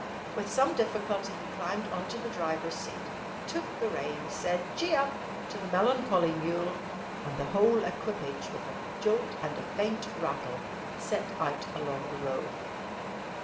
With some difficulty he climbed on to the driver's seat, took the reins, said "Gee up" to the melancholy mule, and the whole equipage with a jolt and faint rattle set out along the road.